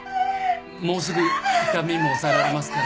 もうすぐ痛みも抑えられますから。